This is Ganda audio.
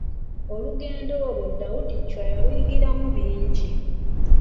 Olugendo olwo Daudi Chwa yaluyigiramu bingi.